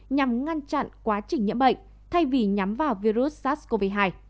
nhằm ngăn chặn quá trình nhiễm bệnh thay vì nhắm vào virus sars cov hai